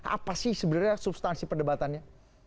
apa sih sebenarnya substansi perdebatannya